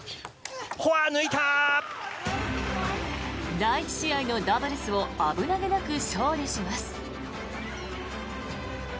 第１試合のダブルスを危なげなく勝利します。